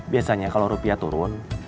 biasanya kalo rupiah turun